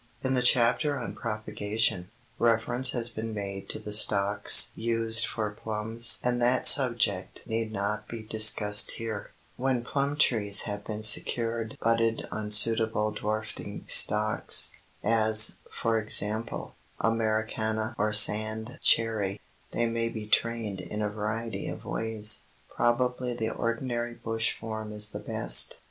In the chapter on propagation, reference has been made to the stocks used for plums and that subject need not be discussed here. [Illustration: FIG. 36 PLUM TREES TRAINED AS UPRIGHT CORDONS] When plum trees have been secured budded on suitable dwarfing stocks, as, for example, Americana or sand cherry, they may be trained in a variety of ways. Probably the ordinary bush form is the best.